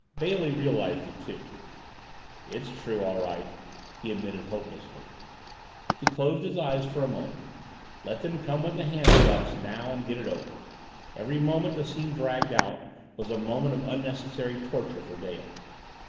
Bailey realized it, too. "It's true, all right," he admitted hopelessly. He closed his eyes for a moment. Let them come with the handcuffs now and get it over every moment the scene dragged out was a moment of unnecessary torture for Dale.